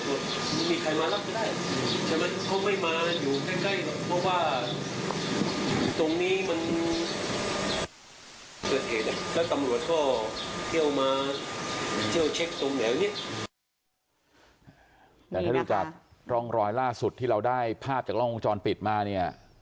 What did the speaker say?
เกิดเหตุแล้วก็ตำรวจก็เที่ยวมาเที่ยวเช็คตรงแหน่วนี้แต่ถ้ารู้จักรองรอยล่าสุดที่เราได้ภาพจากล้องวงจรปิดมาเนี้ย